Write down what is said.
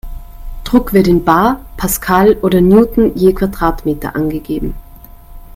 Druck wird in bar, Pascal oder Newton je Quadratmeter angegeben.